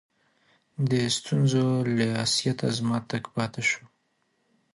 د ستونزو له آسیته زما تګ پاته سو.